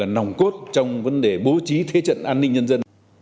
và lực lượng cốt trong vấn đề bố trí thế trận an ninh nhân dân